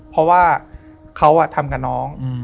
เพราะว่าเขาทำกับน้อง